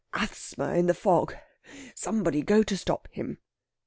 asthma in the fog ... somebody go to stop him."